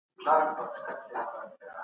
یو وخت ژمی و او واوري اورېدلې